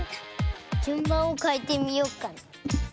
じゅんばんをかえてみようかな。